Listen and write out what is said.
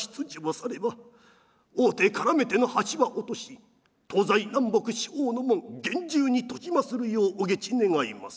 されば大手からめ手の橋は落とし東西南北四方の門厳重に閉じまするようお下知願います」。